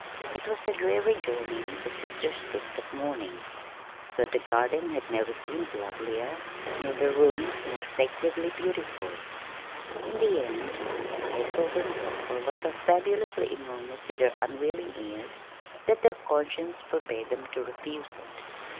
It was a dreary journey the sisters took that morning, though the garden never had seemed lovelier, nor the rooms more sacredly beautiful. In the end, Hazelton's offer was so fabulously enormous to their unwilling ears that their conscience forbade them to refuse it.